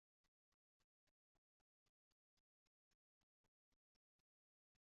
Ikizere ni cyose bashingiye ku byo bagezeho